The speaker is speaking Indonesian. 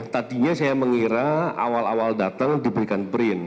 tadinya saya mengira awal awal datang diberikan brint